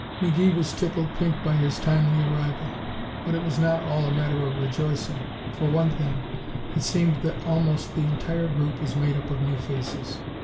McGee was tickled pink by his timely arrival, but it was not all a matter of rejoicing. For one thing, it seemed that almost the entire group was made up of new faces.